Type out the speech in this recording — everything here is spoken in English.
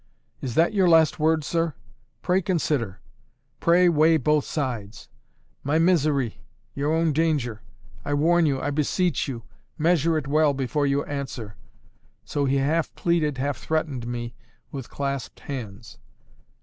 "Is that your last word, sir? Pray consider; pray weigh both sides: my misery, your own danger. I warn you I beseech you; measure it well before you answer," so he half pleaded, half threatened me, with clasped hands.